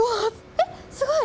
えっすごい！